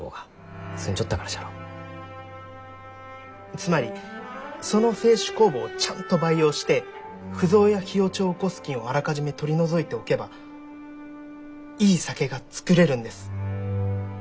つまりその清酒酵母をちゃんと培養して腐造や火落ちを起こす菌をあらかじめ取り除いておけばいい酒が造れるんです。